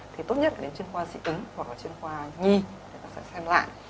thì tốt nhất là đến chuyên khoa dị ứng hoặc là chuyên khoa nhi người ta sẽ xem lại